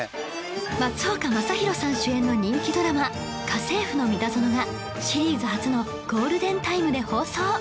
松岡昌宏さん主演の人気ドラマ『家政夫のミタゾノ』がシリーズ初のゴールデンタイムで放送